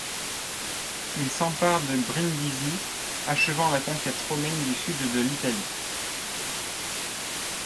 Ils s'emparent de Brindisi, achevant la conquête romaine du Sud de l'Italie.